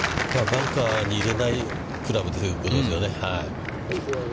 バンカーに入れないクラブということですよね。